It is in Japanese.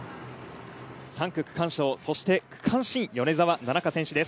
３区、区間賞そして区間新米澤奈々香選手です。